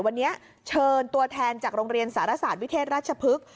วันนี้เชิญตัวแทนจากโรงเรียนสารศาสตร์วิเทศราชพฤกษ์